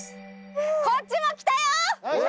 こっちも来たよー！